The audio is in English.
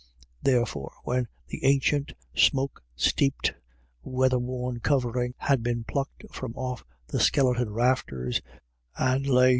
Therefore when the ancient, smoke steeped, weather worn covering had been plucked from off the skeleton rafters, and lay l6o IRISH IDYLLS.